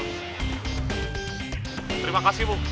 terima kasih bu